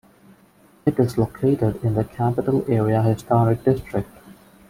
It is located in the Capitol Area Historic District.